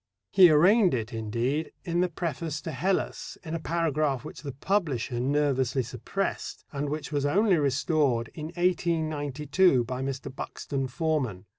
He arraigned it, indeed, in the preface to Hellas in a paragraph which the publisher nervously suppressed, and which was only restored in 1892 by Mr. Buxton Forman.